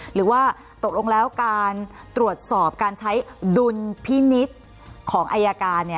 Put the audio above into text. หรือว่าตกลงแล้วการตรวจสอบการใช้ดุลพินิษฐ์ของอายการ